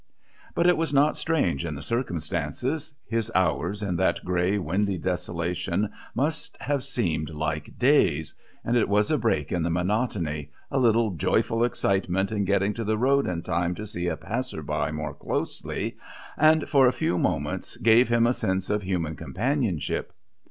But it was not strange in the circumstances; his hours in that grey, windy desolation must have seemed like days, and it was a break in the monotony, a little joyful excitement in getting to the road in time to see a passer by more closely, and for a few moments gave him a sense of human companionship.